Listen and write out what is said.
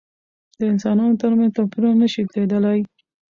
د انسانانو تر منځ توپيرونه نشي لیدلای.